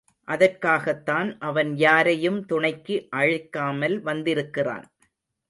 அதற்காகத்தான் அவன் யாரையும் துணைக்கு அழைக்காமல் வந்திருக்கிறான்.